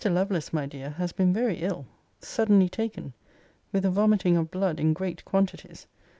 Lovelace, my dear, has been very ill. Suddenly taken. With a vomiting of blood in great quantities.